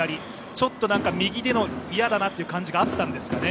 ちょっと右での嫌だなという感じがあったんですかね？